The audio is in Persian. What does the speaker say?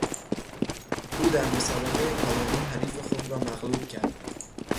او در مسابقه پایانی حریف خود را مغلوب کرد.